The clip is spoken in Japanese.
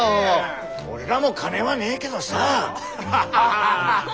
俺らも金はねえけどさ！